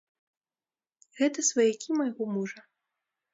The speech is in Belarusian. Гэта сваякі майго мужа.